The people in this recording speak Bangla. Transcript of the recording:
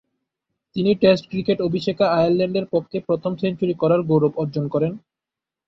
তিনি টেস্ট ক্রিকেট অভিষেকে আয়ারল্যান্ডের পক্ষে প্রথম সেঞ্চুরি করার গৌরব অর্জন করেন।